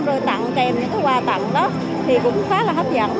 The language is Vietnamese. rồi tặng kèm những cái quà tặng đó thì cũng khá là hấp dẫn